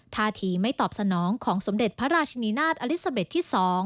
ท่าทีไม่ตอบสนองของสมเด็จพระราชนีนาฏอลิซาเบ็ดที่๒